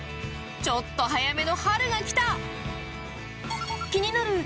ちょっと早めの春が来た。